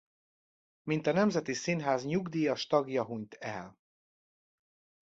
Mint a Nemzeti Színház nyugdíjas tagja hunyt el.